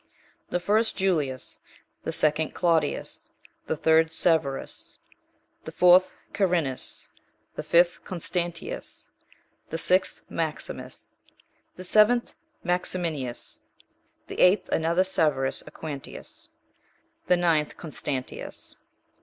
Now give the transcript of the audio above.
The first Julius. The second Claudius. The third Severus. The fourth Carinus. The fifth Constantius. The sixth Maximus. The seventh Maximianus. The eighth another Severus Aequantius. The ninth Constantius.